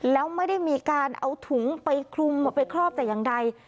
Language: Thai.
แล้วไม่ได้มีการเอาถุงไปคลุมเอาไปครอบแต่อย่างใด